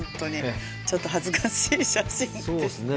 ちょっと恥ずかしい写真ですね。